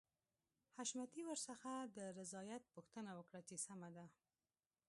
حشمتي ورڅخه د رضايت پوښتنه وکړه چې سمه ده.